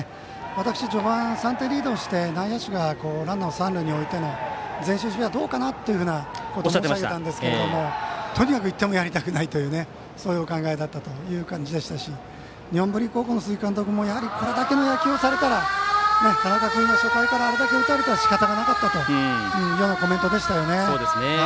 私、序盤３点リードしてランナーを三塁に置いての内野の前進守備はどうかなというふうなことを申し上げたんですけれどもとにかく１点もあげたくないというお考えでしたし日本文理高校の鈴木監督もこれだけの野球をされたら田中君初回からあれだけ打たれてもしかたがなかったというコメントでしたね。